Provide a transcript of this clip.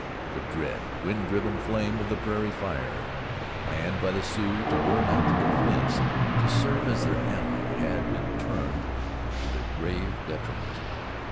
The dread, wind driven flame of the prairie fire, planned by the Sioux to burn out the defence, to serve as their ally, had been turned to their grave detriment.